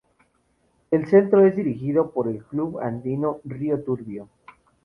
El Centro es dirigido por el Club Andino Río Turbio.